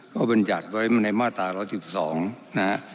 ก็เป็นหยัดไว้ในมาตรา๑๑๒นะครับ